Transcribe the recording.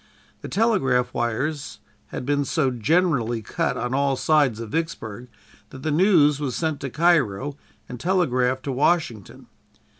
The telegraph wires had been so generally cut on all sides of Vicksburg that the news was sent to Cairo and telegraphed to Washington.